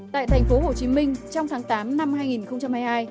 tại thành phố hồ chí minh trong tháng tám năm hai nghìn hai mươi hai